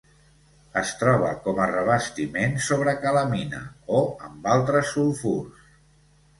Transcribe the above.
Es troba com a revestiment sobre calamina, o amb altres sulfurs.